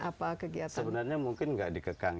apa kegiatan sebenarnya mungkin nggak dikekang